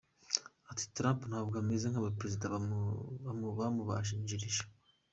Ati “Trump ntabwo ameze nk’abaperezida bamubanjirije.